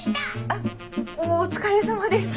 あっお疲れさまです。